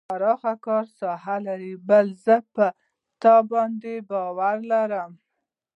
پراخه کاري ساحه لري بل زه په تا باندې باور لرم.